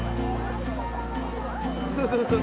そうそうそう。